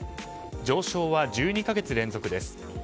上昇は１２か月連続です。